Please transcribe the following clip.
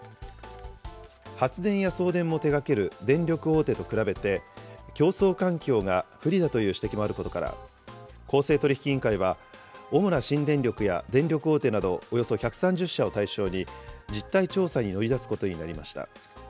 発電や送電も手がける電力大手と比べて、競争環境が不利だという指摘もあることから、公正取引委員会は、主な新電力や電力大手などおよそ１３０社を対象に実態調査に乗り出すことになりました。